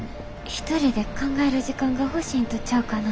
一人で考える時間が欲しいんとちゃうかな。